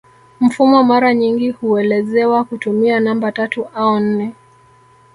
Mfumo mara nyingi huelezewa kutumia namba tatu au nne